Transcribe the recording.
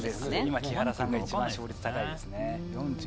今、木原さんが一番勝率高いですね。